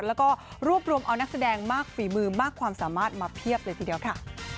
แล้วก็รวบรวมเอานักแสดงมากฝีมือมากความสามารถมาเพียบเลยทีเดียวค่ะ